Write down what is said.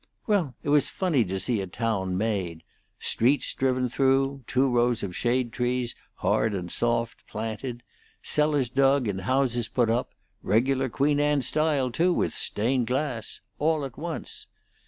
Well, it was funny to see a town made: streets driven through; two rows of shadetrees, hard and soft, planted; cellars dug and houses put up regular Queen Anne style, too, with stained glass all at once.